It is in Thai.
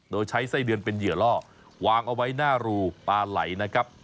โดยใช้ไส้เดือนเป็นเหยื่อล่อวางเอาไว้หน้ารูปาไหลนะครับ